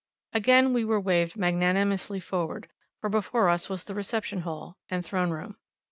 Again we were waved magnanimously forward, for before us was the reception hall and throne room.